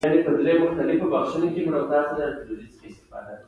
د خصت اخیستلو پر مهال ټینګار وکړ.